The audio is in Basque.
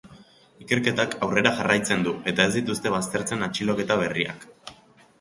Ikerketak aurrera jarraitzen du eta ez dituzte baztertzen atxiloketa berriak.